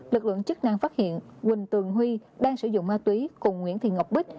lực lượng chức năng phát hiện quỳnh tường huy đang sử dụng ma túy cùng nguyễn thị ngọc bích